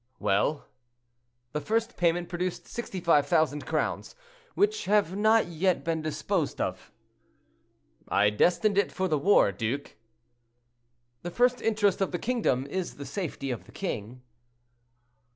"Well?" "The first payment produced 65,000 crowns, which have not yet been disposed of." "I destined it for the war, duke." "The first interest of the kingdom is the safety of the king."